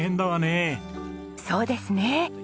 そうですね。